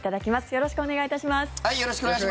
よろしくお願いします。